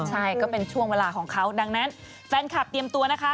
ใช่ก็เป็นช่วงเวลาของเขาดังนั้นแฟนคลับเตรียมตัวนะคะ